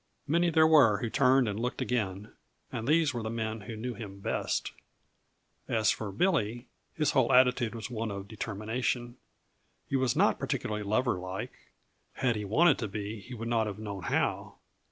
Many there were who turned and looked again and these were the men who knew him best. As for Billy, his whole attitude was one of determination; he was not particularly lover like had he wanted to be, he would not have known how.